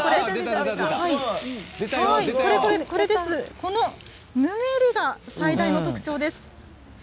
このぬめりが最大の特徴です。